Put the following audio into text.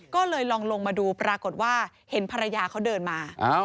ก็เลยลองลงมาดูปรากฏว่าเห็นภรรยาเขาเดินมา